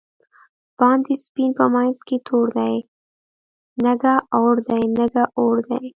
باندی سپین په منځ کی تور دۍ، نگه اور دی نگه اور دی